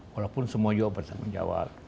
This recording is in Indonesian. walaupun semua juga bersangkut jawab